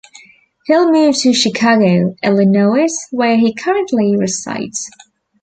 Hill moved to Chicago, Illinois, where he currently resides.